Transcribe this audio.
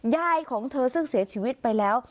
ยายของเธอซึ่งเสียชีวิตไปแล้ว